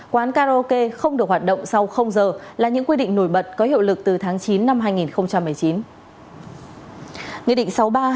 quán karaoke không được hoạt động sau giờ là những quy định nổi bật có hiệu lực từ tháng chín năm hai nghìn một mươi chín